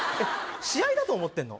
試合だと思ってんの？